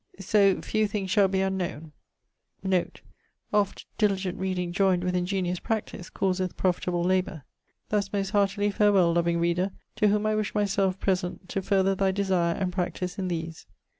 So, few things shall be unknowne. Note, oft diligent reading joyned with ingenious practise causeth profitable labour. Thus most hartely farewell, loving reader, to whom I wish myselfe present to further thy desire and practise in these.'